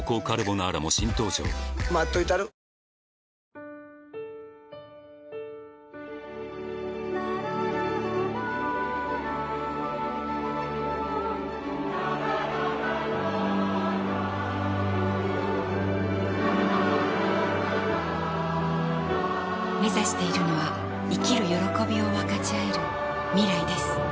ラララめざしているのは生きる歓びを分かちあえる未来です